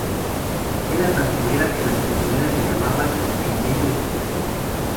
Era tan severa que las prisioneras la llamaban el "bello espectro".